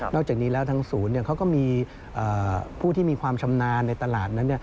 จากนี้แล้วทางศูนย์เขาก็มีผู้ที่มีความชำนาญในตลาดนั้น